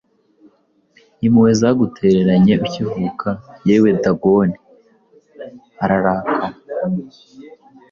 Impuhwe zagutereranye ukivuka! Yewe Dagon ararakaye,